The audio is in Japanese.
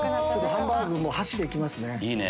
ハンバーグ箸で行きますね。